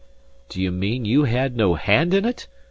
* Bag. "Do you mean you had no hand in it?"